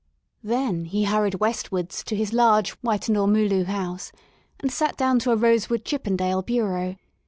Then he hurried westwards to his large white and ormolu house, and sat down to a rosewood Chippen dale bureau.